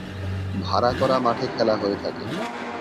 ভাড়া করা মাঠে খেলা হয়ে থাকে।